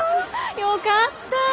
よかった。